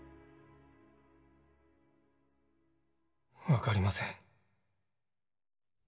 分かりません。